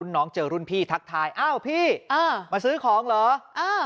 น้องเจอรุ่นพี่ทักทายอ้าวพี่มาซื้อของเหรอ